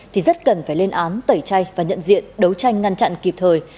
thì rất cần phải lên án tẩy chay và nhận diện đấu tranh ngăn chặn kịp thời